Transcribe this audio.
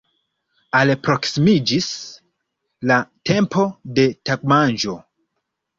Alproksimiĝis la tempo de tagmanĝo.